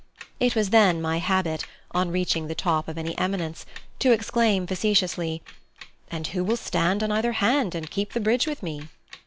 It was then my habit, on reaching the top of any eminence, to exclaim facetiously "And who will stand on either hand and keep the bridge with me?"